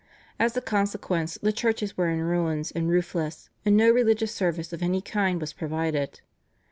As a consequence, the churches were in ruins and roofless, and no religious service of any kind was provided.